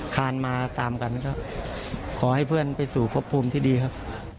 คานมาตามกันก็ขอให้เพื่อนไปสู่พบภูมิที่ดีครับ